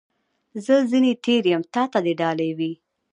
زه ځني تېر یم ، تا ته دي ډالۍ وي .